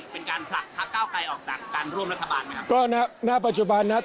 เป็นการผลักพักเก้าไกลออกจากการร่วมรัฐบาลไหมครับ